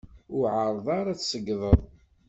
Ur εerreḍ ara ad s-tzeyydeḍ!